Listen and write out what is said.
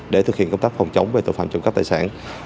để thực hiện công tác phòng chống về tội phạm trộm cắp tài sản